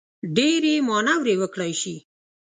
ډېرې مانورې وکړای شي.